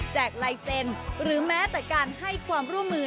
ลายเซ็นต์หรือแม้แต่การให้ความร่วมมือ